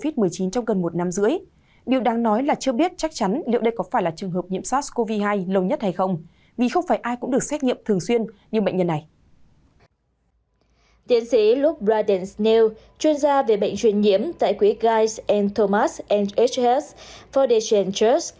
tiến sĩ luke braden snell chuyên gia về bệnh truyền nhiễm tại quỹ geis thomas nhs foundation church